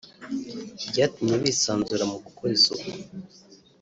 byatumye bisanzura mu gukora isuku